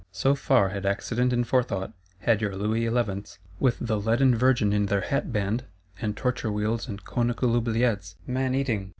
So far had accident and forethought; had your Louis Elevenths, with the leaden Virgin in their hatband, and torture wheels and conical oubliettes (man eating!)